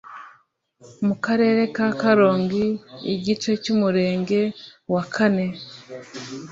mu Karere ka Karongi igice cy umurenge wa kane